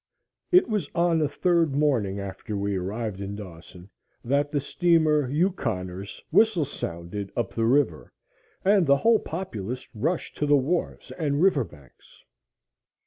It was on the third morning after we arrived in Dawson that the steamer Yukoner's whistle sounded up the river, and the whole populace rushed to the wharves and river banks.